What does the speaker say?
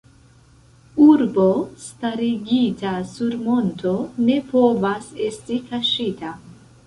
Urbo starigita sur monto ne povas esti kaŝita.